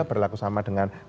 berlaku sama dengan